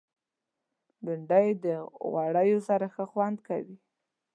بېنډۍ د غوړیو سره ښه خوند کوي